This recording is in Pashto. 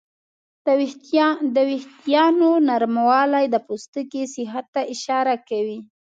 د وېښتیانو نرموالی د پوستکي صحت ته اشاره کوي.